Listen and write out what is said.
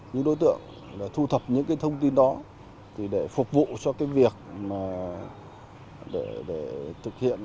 những đối tượng thu thập những thông tin đó để phục vụ cho việc thực hiện